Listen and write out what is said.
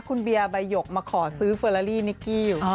คุณเบียร์ใบหยกมาขอซื้อเฟอร์ลาลี่นิกกี้อยู่